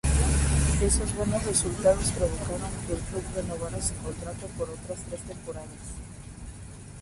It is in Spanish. Esos buenos resultados provocaron que el club renovara su contrato por otras tres temporadas.